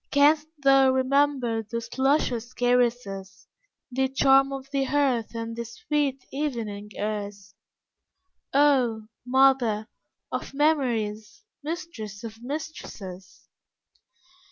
Can'st thou remember those luscious caresses, The charm of the hearth and the sweet evening airs? Oh, Mother, of Memories, Mistress of Mistresses!